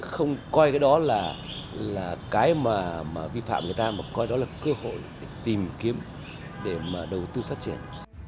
không coi cái đó là cái mà vi phạm người ta mà coi đó là cơ hội để tìm kiếm để mà đầu tư phát triển